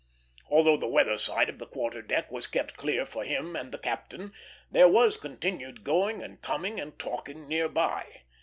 Although the weather side of the quarter deck was kept clear for him and the captain, there was continued going and coming, and talking near by.